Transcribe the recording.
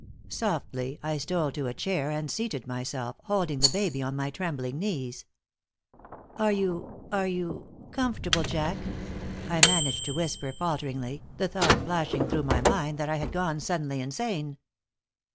Softly, I stole to a chair and seated myself, holding the baby on my trembling knees. "Are you are you comfortable, Jack?" I managed to whisper, falteringly, the thought flashing through my mind that I had gone suddenly insane.